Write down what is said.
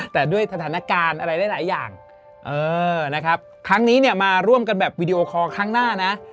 แต่ด้วยสถานการณ์อะไรหลายอย่างเออนะครับครั้งนี้เนี่ยมาร่วมกันแบบวีดีโอคอร์ครั้งหน้านะ